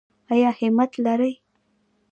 ایا همت لرئ؟